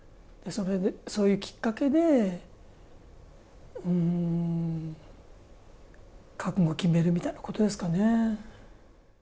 そういうきっかけで、うーん覚悟を決めるみたいなことですかね。